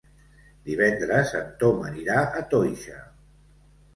Divendres en Tom anirà a Toixa.